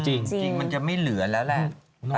จริงมันจะไม่เหลือแล้วแหละ